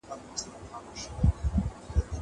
زه له سهاره بوټونه پاکوم!!